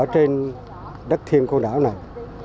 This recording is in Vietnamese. trên đất thiên côn đảo này